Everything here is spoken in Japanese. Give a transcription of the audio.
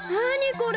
これ。